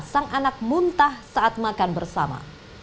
sang anak muntah saat makan bersama